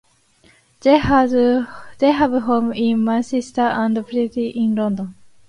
They have homes in Manchester and Putney in London.